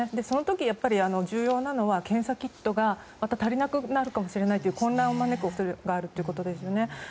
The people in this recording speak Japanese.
そのとき、重要なのは検査キットが足りなくなるかもしれないという混乱を招く恐れがあるということですよね。